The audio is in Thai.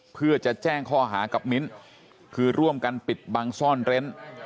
เพื่อจะแจ้งข้อหากับมิ้นคือร่วมกันปิดบังซ่อนเร้น